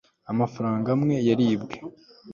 amafaranga amwe yaribwe